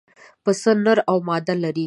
پسه نر او ماده لري.